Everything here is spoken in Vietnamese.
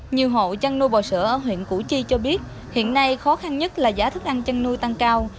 nhiều hộ chăn nuôi bò sữa ở huyện củ chi cho biết hiện nay khó khăn nhất là giá thức ăn chăn nuôi tăng cao